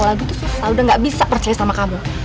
lagi tuh susah udah gak bisa percaya sama kamu